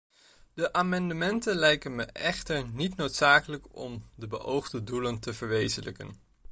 Deze amendementen lijken me echter niet noodzakelijk om de beoogde doelen te verwezenlijken.